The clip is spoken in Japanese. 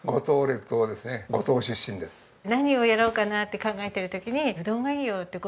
何をやろうかな？って考えてる時に「うどんがいいよ」って。